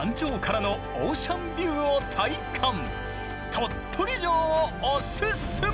鳥取城をおすすめ！